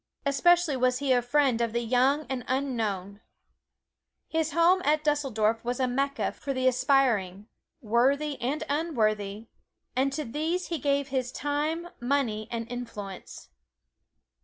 Especially was he a friend of the young and the unknown. His home at Dusseldorf was a Mecca for the aspiring worthy and unworthy and to these he gave his time, money and influence.